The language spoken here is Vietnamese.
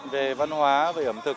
về văn hóa về ẩm thực